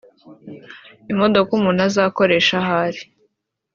imodoka umuntu azakoresha ahari